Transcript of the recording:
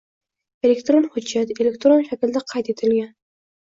elektron hujjat — elektron shaklda qayd etilgan